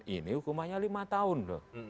ini hukumannya lima tahun